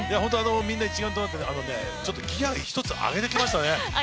みんな、一丸となってギアを一つ上げてきましたね。